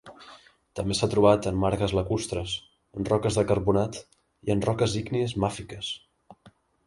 També s'ha trobat en margues lacustres, en roques de carbonat i en roques ígnies màfiques.